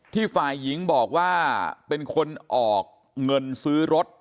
ฝ่ายหญิงบอกว่าเป็นคนออกเงินซื้อรถ